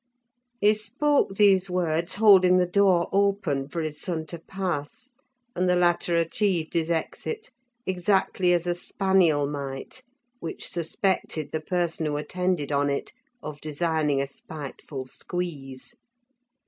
He spoke these words, holding the door open for his son to pass, and the latter achieved his exit exactly as a spaniel might which suspected the person who attended on it of designing a spiteful squeeze.